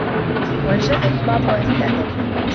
وَأَنْشَدَنِي بَعْضُ أَهْلِ الْأَدَبِ